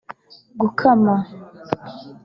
gukama